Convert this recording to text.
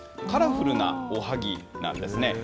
カラフルなおはぎなんですね。